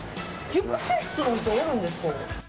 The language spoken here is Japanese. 熟成室なんてあるんですか？